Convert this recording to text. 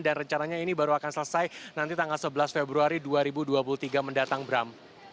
dan rencananya ini baru akan selesai nanti tanggal sebelas februari dua ribu dua puluh tiga mendatang bram